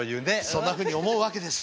そんなふうに思うわけです。